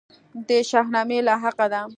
د شاهنامې لاحقه ده.